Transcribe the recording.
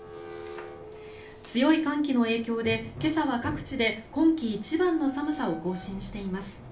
強い寒気の影響で今朝は各地で今季一番の寒さを更新しています。